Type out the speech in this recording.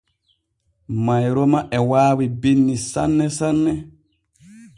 Mayroma e waawi binni sanne sanne.